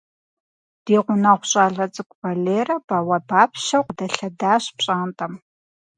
Ди гъунэгъу щӀалэ цӀыкӀу Валерэ бауэбапщэу къыдэлъэдащ пщӀантӀэм.